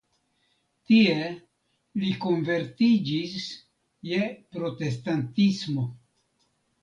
Tie li konvertiĝis je protestantismo.